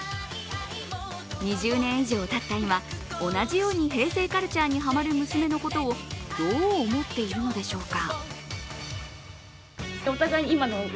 ２０年以上たった今、同じように平成カルチャーにハマる娘のことをどう思っているのでしょうか。